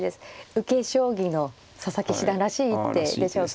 受け将棋の佐々木七段らしい一手でしょうか。